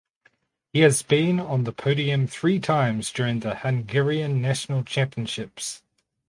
He has been on the podium three times during the Hungarian National Championships.